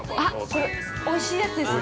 ◆これ、おいしいやつですよね？